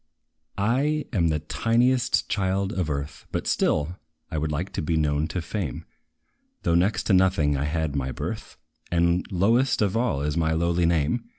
I am the tiniest child of earth, But still, I would like to be known to fame, Though next to nothing I had my birth, And lowest of all is my lowly name.